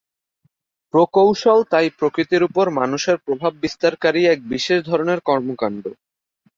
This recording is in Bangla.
প্রকৌশল তাই প্রকৃতির উপর মানুষের প্রভাব বিস্তারকারী এক বিশেষ ধরনের কর্মকাণ্ড।